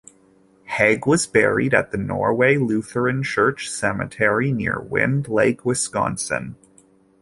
Heg was buried at the Norway Lutheran Church Cemetery near Wind Lake, Wisconsin.